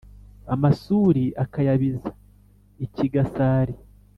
Amasuri akayabiza i Kigasari*.